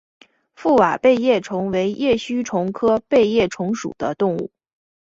覆瓦背叶虫为叶须虫科背叶虫属的动物。